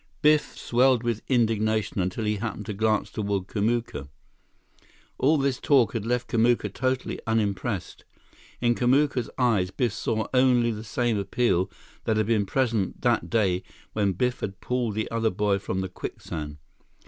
Biff swelled with indignation until he happened to glance toward Kamuka. All this talk had left Kamuka totally unimpressed. In Kamuka's eyes, Biff saw only the same appeal that had been present that day when Biff had pulled the other boy from the quicksand.